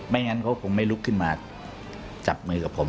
งั้นเขาคงไม่ลุกขึ้นมาจับมือกับผม